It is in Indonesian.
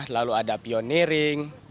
lalu ada pioneering